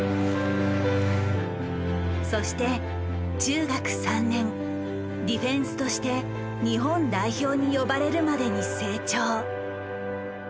そして中学３年ディフェンスとして日本代表に呼ばれるまでに成長。